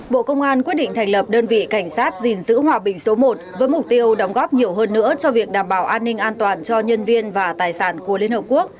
bộ công an quyết định thành lập đơn vị cảnh sát gìn giữ hòa bình số một với mục tiêu đóng góp nhiều hơn nữa cho việc đảm bảo an ninh an toàn cho nhân viên và tài sản của liên hợp quốc